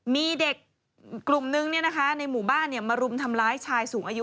มีเด็กกลุ่มนึงในหมู่บ้านมารุมทำร้ายชายสูงอายุ